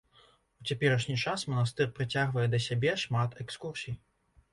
У цяперашні час манастыр прыцягвае да сябе шмат экскурсій.